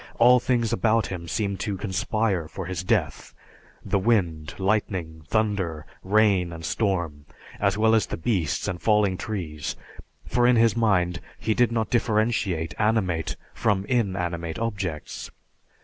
All things about him seemed to conspire for his death: the wind, lightning, thunder, rain and storm, as well as the beasts and falling trees; for in his mind he did not differentiate animate from inanimate objects.